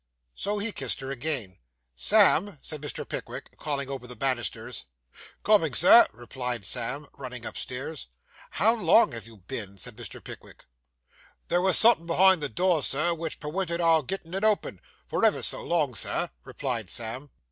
So he kissed her again. 'Sam!' said Mr. Pickwick, calling over the banisters. 'Coming, Sir,' replied Sam, running upstairs. 'How long you have been!' said Mr. Pickwick. 'There was something behind the door, Sir, which perwented our getting it open, for ever so long, Sir,' replied Sam.